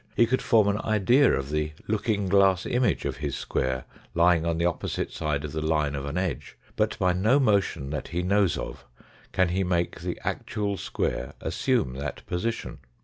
He could form an idea of the looking glass image of his square lying on the opposite side of the line of an edge, but by no motion that he knows of can he make the actual square assume that position.